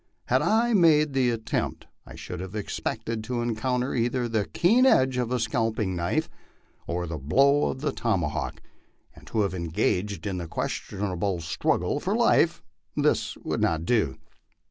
Had I made the attempt, I should have expected to encounter either the keen edge of the scalping knife or the blow of the tomahawk, and to have engaged in a questionable struggle for life. This would not do.